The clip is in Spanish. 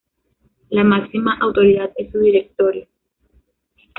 La máxima autoridad es su Directorio.